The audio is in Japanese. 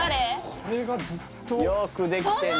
これがずっとよくできてんな